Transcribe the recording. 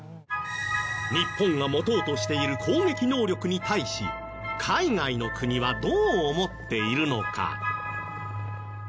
日本が持とうとしている攻撃能力に対し海外の国はどう思っているのか？